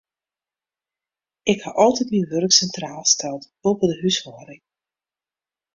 Ik ha altyd myn wurk sintraal steld, boppe de húshâlding.